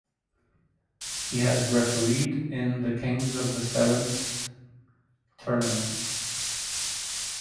He has refereed in the Kings of the Sevens tournament.